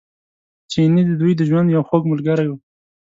چیني د دوی د ژوند یو خوږ ملګری و.